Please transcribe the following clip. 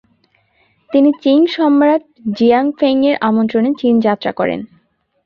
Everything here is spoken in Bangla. তিনি চিং সম্রাট জিয়ানফেংয়ের আমন্ত্রণে চীন যাত্রা করেন।